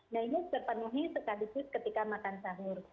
nah ini terpenuhi sekaligus ketika makan sahur